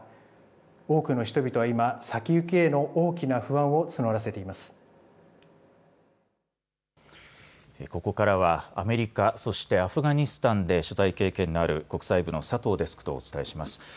多くの人々は今先行きへのここからはアメリカそして、アフガニスタンで取材経験のある国際部の佐藤デスクとお伝えします。